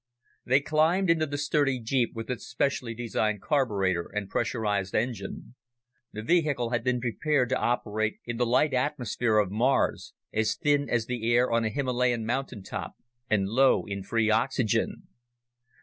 They climbed into the sturdy jeep with its specially designed carburetor and pressurized engine. The vehicle had been prepared to operate in the light atmosphere of Mars, as thin as the air on a Himalayan mountaintop, and low in free oxygen.